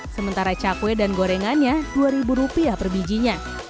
sementara cakwe dan gorengannya dua rupiah per bijinya